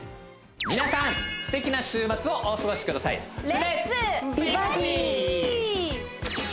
皆さんすてきな週末をお過ごしくださいレッツ！